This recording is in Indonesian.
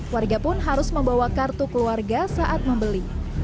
warga pun harus membawa kartu keluarga saat membeli